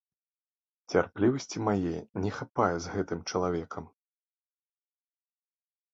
Цярплівасці мае не хапае з гэтым чалавекам.